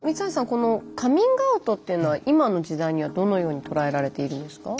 このカミングアウトっていうのは今の時代にはどのように捉えられているんですか。